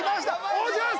おじゃす！